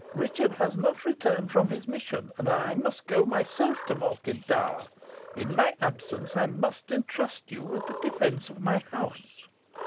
"Richard has not returned from his mission, and I must go myself to Malkin Tower. In my absence, I must entrust you with the defence of my house."